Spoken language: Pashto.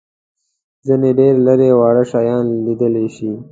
ځینې ډېر لېري واړه شیان لیدلای شي.